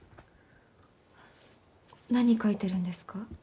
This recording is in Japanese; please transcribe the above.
何書いてるんですか？